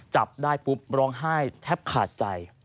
จับได้ปุ๊บร้องไห้แทบขาดใจ